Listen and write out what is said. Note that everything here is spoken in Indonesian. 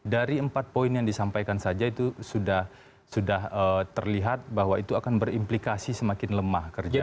dari empat poin yang disampaikan saja itu sudah terlihat bahwa itu akan berimplikasi semakin lemah kerja